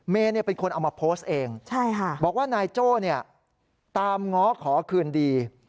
เป็นคนเอามาโพสต์เองบอกว่านายโจ้ตามง้อขอคืนดี